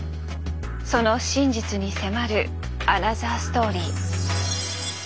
その真実に迫るアナザーストーリー。